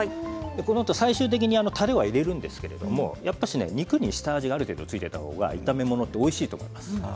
このあと最終的に、たれは入れるんですけれども肉に下味がある程度ついていた方が炒め物はおいしいと思います。